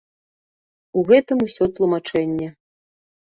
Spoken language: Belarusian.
У гэтым усё тлумачэнне.